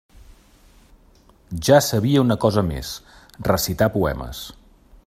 Ja sabia una cosa més: recitar poemes.